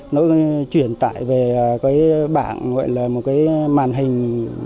nó chuyển tải về cái bảng gọi là một cái màn hình